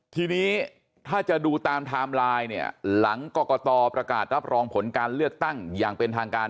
ทีนี้ถ้าจะดูตามไทม์ไลน์เนี่ยหลังกรกตประกาศรับรองผลการเลือกตั้งอย่างเป็นทางการ